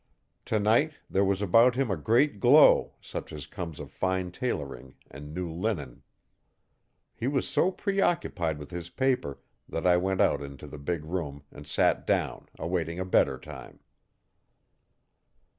Tonight there was about him a great glow, such as comes of fine tailoring and new linen. He was so preoccupied with his paper that I went out into the big room and sat down, awaiting a better time.